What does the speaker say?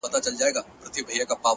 هغه لمرینه نجلۍ تور ته ست کوي ـ